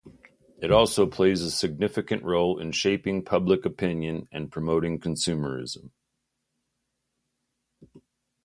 It also plays a significant role in shaping public opinion and promoting consumerism.